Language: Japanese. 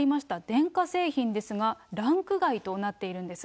電化製品ですが、ランク外となっているんです。